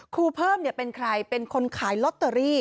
ครูเพิ่มเป็นใครเป็นคนขายลอตเตอรี่